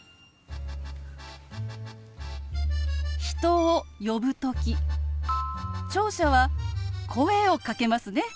人を呼ぶ時聴者は声をかけますね。